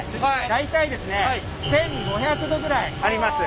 大体ですね１，５００℃ぐらいあります。